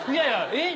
えっ？